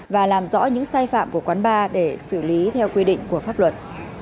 và làm rõ những sai phạm của quán bar để xử lý theo quy định của pháp luật